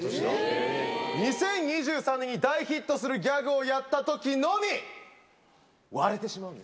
２０２３年に大ヒットするギャグをやったときのみ、割れてしまうんです。